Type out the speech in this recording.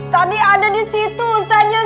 tadi ada di situ ustazah